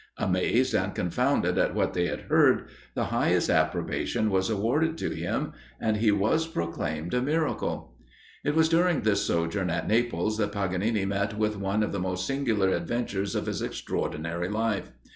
Amazed and confounded at what they had heard, the highest approbation was awarded to him, and he was proclaimed a miracle. It was during this sojourn at Naples, that Paganini met with one of the most singular adventures of his extraordinary life.